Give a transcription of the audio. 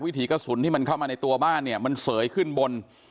ถีกระสุนที่มันเข้ามาในตัวบ้านเนี่ยมันเสยขึ้นบน